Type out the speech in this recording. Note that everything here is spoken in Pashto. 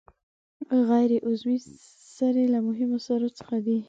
غیر عضوي سرې له مهمو سرو څخه دي.